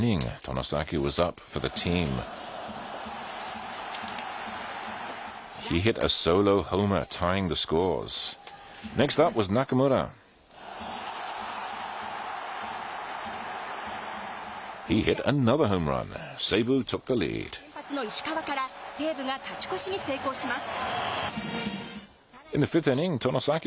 ソフトバンク先発の石川から、西武が勝ち越しに成功します。